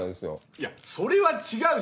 いやそれは違うじゃん！